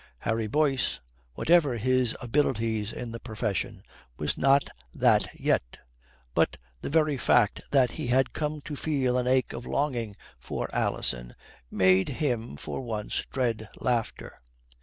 Harry Boyce, whatever his abilities in the profession, was not that yet. But the very fact that he had come to feel an ache of longing for Alison made him for once dread laughter.